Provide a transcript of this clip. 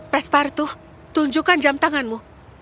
pespartu tunjukkan jam tanganmu